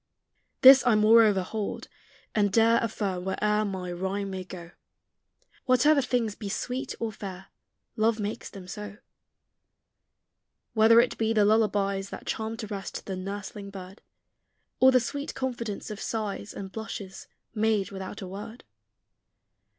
This I moreover hold, and dare Affirm where'er my rhyme may go, Whatever things be sweet or fair, Love makes them so. Whether it be the lullabies That charm to rest the nursling bird, Or the sweet confidence of sighs And blushes, made without a word.